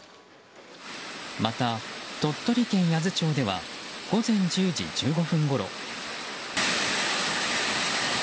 また、鳥取県八頭町では午前１０時１５分ごろ。